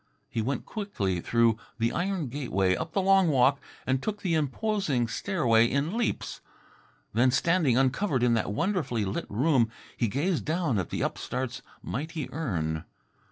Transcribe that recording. He went quickly through the iron gateway, up the long walk and took the imposing stairway in leaps. Then, standing uncovered in that wonderfully lit room, he gazed down at the upstart's mighty urn.